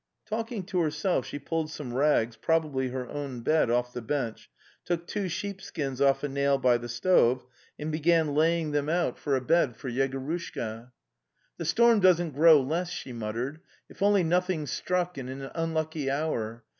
Talking to herself, she pulled some rags, probably her own bed, off the bench, took two sheepskins off a nail by the stove, and began laying them out for a The Steppe 281 bed for Yegorushka. "The storm doesn't grow less," she muttered. ''If only nothing's struck in an unlucky hour.